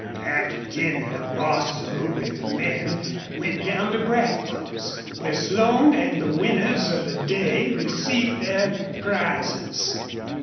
After dinner Bostil with the men went down to Brackton's, where Slone and the winners of the day received their prizes.